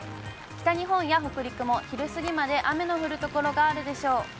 北日本や北陸も昼過ぎまで雨の降る所があるでしょう。